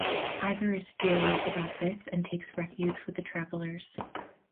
Iver is furious about this and takes refuge with the travelers.